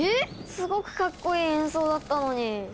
すごくかっこいい演奏だったのに。